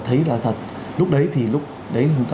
thấy là thật lúc đấy thì lúc đấy chúng ta